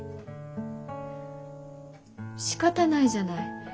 しかたないじゃない。